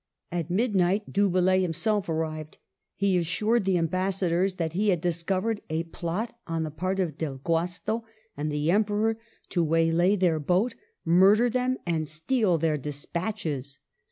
At midnight Du Bellay him self arrived ; he assured the ambassadors that he had discovered a plot on the part of Del Guasto and the Emperor to waylay their boat, murder them, and steal their despatches.